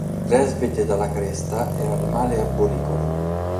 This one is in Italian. Il presbite dalla cresta è un animale arboricolo.